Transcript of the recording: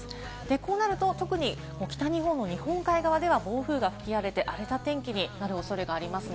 こうなると特に北日本の日本海側では暴風が吹き荒れて、荒れた天気になる恐れがあります。